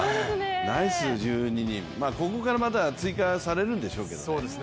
ナイス１２人、ここからまた追加されるんでしょうけどね。